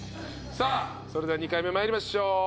さあそれでは２回目まいりましょう。